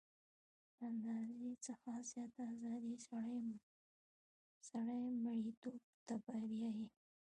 له اندازې څخه زیاته ازادي سړی مرییتوب ته بیايي.